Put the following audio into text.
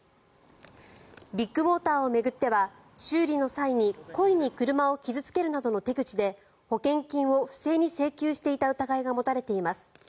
ビッグモーターを巡っては修理の際に故意に車を傷付けるなどの手口で保険金を不正に請求していた疑いが持たれています。